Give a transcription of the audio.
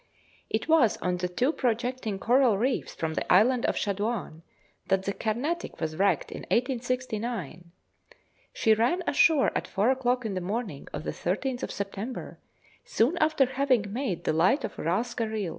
It was on two projecting coral reefs from the island of Shaduan, that the 'Carnatic' was wrecked in 1869. She ran ashore at four o'clock in the morning of the 13th of September, soon after having made the light on Rhas Garril.